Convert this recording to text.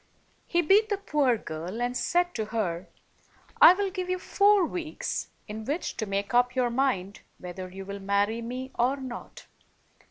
He beat the poor girl, and said to her, "I will give you four weeks in which to make up your mind whether you will marry me or not.